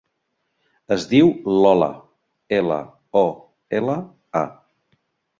Es diu Lola: ela, o, ela, a.